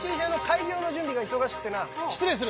失礼する。